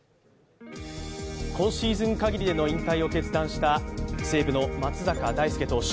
今シーズン限りでの引退を決断した西武の松坂大輔投手。